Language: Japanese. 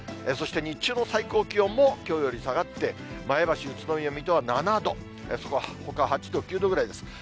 そして日中の最高気温もきょうより下がって、前橋、宇都宮、水戸は７度、そのほか８度、９度ぐらいです。